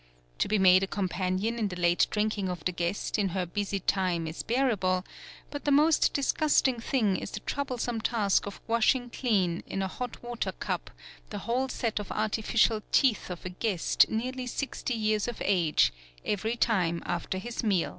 To be made a companion in the late drinking of the guest in her busy time is bearable, but the most dis gusting thing is the troublesome task of washing clean, in a hot water cup, the whole set of artificial teeth of a guest nearly sixty years of age, every time after his meal.